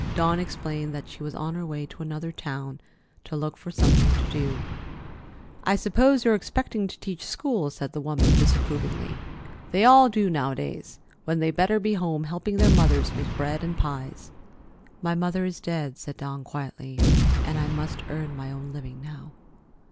Dawn explained that she was on her way to another town, to look for something to do. "I suppose you're expecting to teach school," said the woman disapprovingly. "They all do nowadays, when they better be home, helping their mothers make bread and pies." "My mother is dead," said Dawn quietly, "and I must earn my own living now."